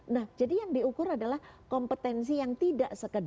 nah jadi yang diukur adalah kompetensi yang tidak sekedar